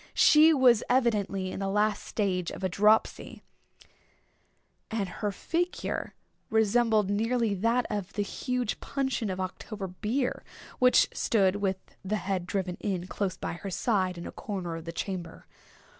She was evidently in the last stage of a dropsy; and her figure resembled nearly that of the huge puncheon of October beer which stood, with the head driven in, close by her side, in a corner of the chamber.